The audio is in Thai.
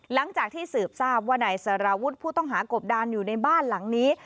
หลังจากที่สืบทราบว่านายสารวุฒิผู้ต้องหากบดานอยู่ในบ้านหลังนี้